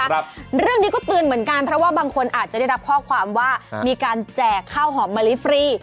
ครับเรื่องนี้ก็เตือนเหมือนกันเพราะว่าบางคนอาจจะได้รับข้อความว่ามีการแจกข้าวหอมมะลิฟรี